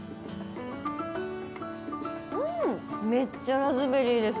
めっちゃラズベリーです。